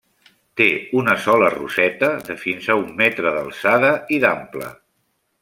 Té una sola roseta de fins a un metre d'alçada i d'ample.